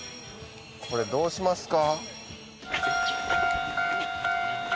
これどうしますか？